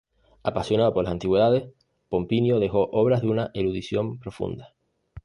Apasionado por las antigüedades, Pomponio dejó obras de una erudición profunda.